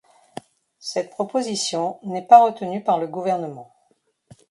Cette proposition n'est pas retenue par le gouvernement.